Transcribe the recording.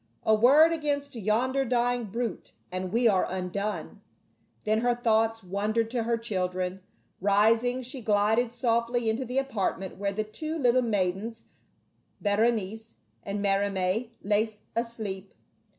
"A word against yonder dying brute and we are undone." Then her thoughts wandered to her children ; rising, she glided softly into the apartment where the two little maidens Berenice and Mariamne lay asleep.